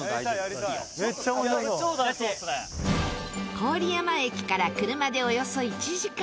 郡山駅から車でおよそ１時間。